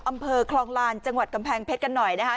อำเภอคลองลานจังหวัดกำแพงเพชรกันหน่อยนะคะ